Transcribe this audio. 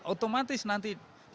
nah otomatis nanti di saat pemegangnya